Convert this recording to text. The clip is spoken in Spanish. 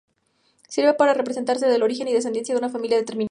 Sirve para representar el origen y descendencia de una familia determinada.